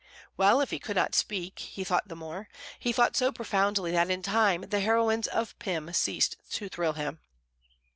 Well, if he could not speak, he thought the more; he thought so profoundly that in time the heroines of Pym ceased to thrill him.